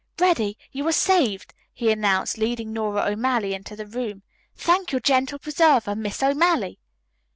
"Reddy, you are saved," he announced, leading Nora O'Malley into the room. "Thank your gentle preserver, Miss O'Malley."